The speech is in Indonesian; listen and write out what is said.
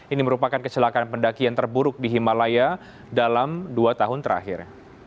ini merupakan kecelakaan pendaki yang terburuk di himalaya dalam dua tahun terakhir